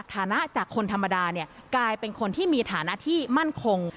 ฐานะจากคนธรรมดาเนี่ยกลายเป็นคนที่มีฐานะที่มั่นคง